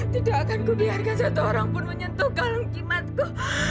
tidak akan kubiarkan satu orang pun menyentuh kalung kimatku